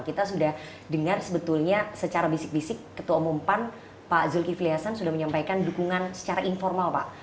kita sudah dengar sebetulnya secara bisik bisik ketua umum pan pak zulkifli hasan sudah menyampaikan dukungan secara informal pak